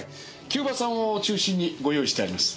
キューバ産を中心にご用意してあります。